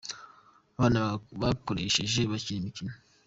abana bagakoresheje bakina imikino